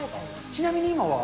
ちなみに今は？